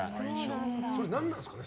それ、何なんですかね？